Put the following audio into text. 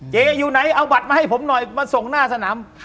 อยู่ไหนเอาบัตรมาให้ผมหน่อยมาส่งหน้าสนาม